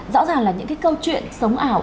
rõ ràng là những cái câu chuyện sống ảo